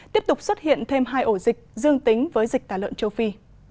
tiếp tục xuất hiện thêm hai ổ dịch dương tính với dịch tả lợn châu phi